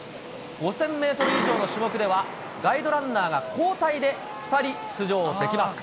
５０００メートル以上の種目では、ガイドランナーが交代で２人出場できます。